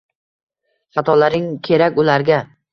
Xatolaring kerak ularga